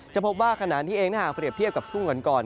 พบว่าขณะนี้เองถ้าหากเปรียบเทียบกับช่วงก่อน